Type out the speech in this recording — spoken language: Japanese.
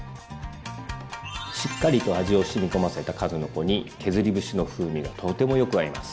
しっかりと味をしみこませた数の子に削り節の風味がとてもよく合います。